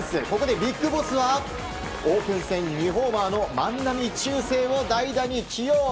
ここでビッグボスはオープン戦２ホーマーの万波中正を代打に起用。